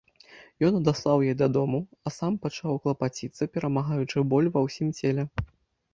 Ён адаслаў яе дадому, а сам пачаў клапаціцца, перамагаючы боль ва ўсім целе.